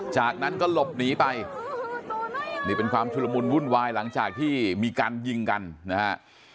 จากนั้นก็หลบหนีไปนี่เป็นความชุลมุนวุ่นวายหลังจากที่มีการยิงกันนะฮะ